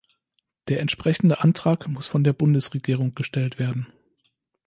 Der entsprechende Antrag muss von der Bundesregierung gestellt werden.